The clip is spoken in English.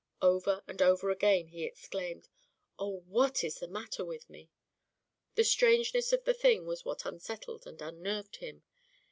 Over and over again he exclaimed, "Oh, what is the matter with me?" The strangeness of the thing was what unsettled and unnerved him.